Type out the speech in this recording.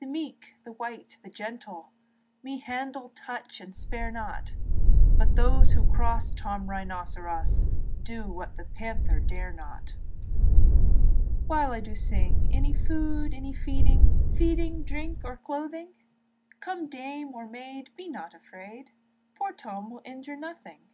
The meek, the white, the gentle Me handle, touch, and spare not; But those that cross Tom Rynosseros Do what the panther dare not. Although I sing, Any food, any feeding, Feeding, drink, or clothing; Come dame or maid, be not afraid, Poor Tom will injure nothing.